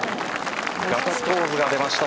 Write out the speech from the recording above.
ガッツポーズが出ました。